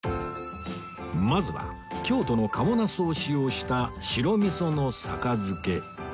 まずは京都の賀茂ナスを使用した白味噌の酒漬け